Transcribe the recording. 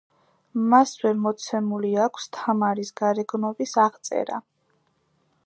მასვე მოცემული აქვს თამარის გარეგნობის აღწერა.